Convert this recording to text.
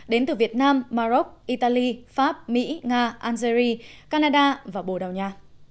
đến từ việt nam maroc italy pháp mỹ nga algeria canada và bồ đào nha